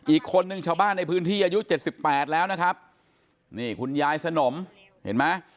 อีกคนนึงชาวบ้านในพื้นที่อายุเจ็ดสิบแปดแล้วนะครับนี่คุณยายสนมเห็นไหม